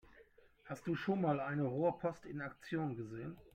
Hast du schon mal eine Rohrpost in Aktion gesehen?